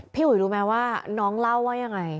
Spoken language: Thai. อุ๋ยรู้ไหมว่าน้องเล่าว่ายังไง